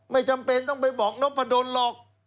ไม่จำเป็นต้องไปบอกน้องประดนหรอก